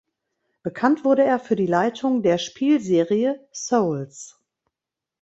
Bekannt wurde er für die Leitung der Spielserie "Souls".